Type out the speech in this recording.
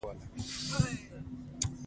دا خوړو ښه بوی لري.